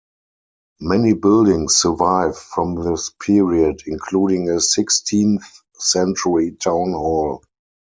Many buildings survive from this period, including a sixteenth-century town hall.